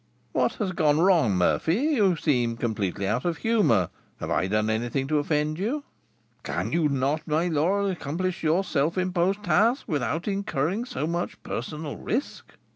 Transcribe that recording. "What has gone wrong, Murphy? You seem completely out of humour. Have I done anything to offend you?" "Can you not, my lord, accomplish your self imposed task without incurring so much personal risk?"